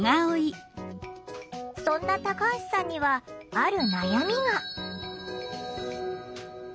そんなタカハシさんにはある悩みが。